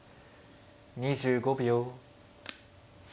２５秒。